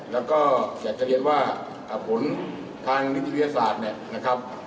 และจะเรียนไว้ว่าผลพองานวิทยาศาสตร์